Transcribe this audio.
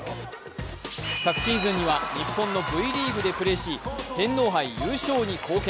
昨シーズンには日本のＶリーグでプレーし、天皇杯優勝に貢献。